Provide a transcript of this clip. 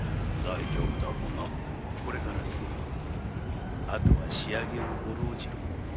これからすぐ後は仕上げをご覧じろで。